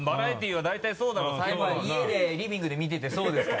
やっぱり家でリビングで見ててそうですか？